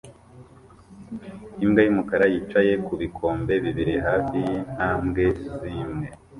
Imbwa yumukara yicaye kubikombe bibiri hafi yintambwe zimwe